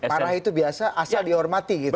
marah itu biasa asal dihormati gitu